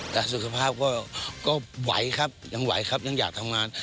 แต่สุขภาพก็ไหวครับยังไหวครับยังอยากทำงาน